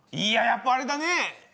「いややっぱあれだね